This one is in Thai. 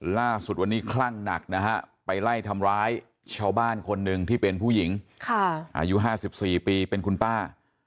ล่าสุดวันนี้คลั่งหนักนะฮะไปไล่ทำร้ายชาวบ้านคนหนึ่งที่เป็นผู้หญิงอายุ๕๔ปีเป็นคุณป้า